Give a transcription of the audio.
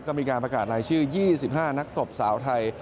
ก็มีการประกาศรายชื่อ๒๕นักตบสาวไทย